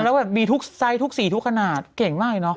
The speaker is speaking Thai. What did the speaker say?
แล้วแบบมีทุกไซส์ทุกสีทุกขนาดเก่งมากเลยเนาะ